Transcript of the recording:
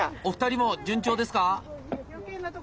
お二人も順調ですか？